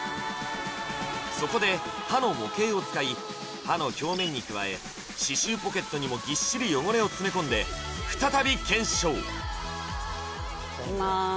そこで歯の模型を使い歯の表面に加え歯周ポケットにもぎっしり汚れを詰め込んで再び検証いきます